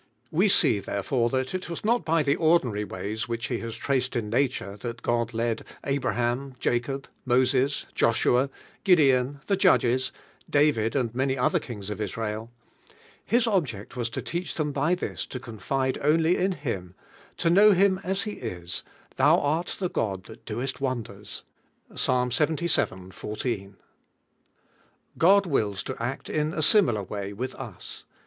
We see therefore that it was not by the ordinary ways which He has traced in na ture that God led Abraham, larob, Moses, Joshua, Gideon, the Judges, David and many oilier kings of Israel. His object was to teach them by this to confide only US EtlViHE 11CAI.IK0. ii) nim, to know nim as He is: "Tln.u art the God tliat floest wonders" (Isxvii. IB). God wills to act in a similar way with us.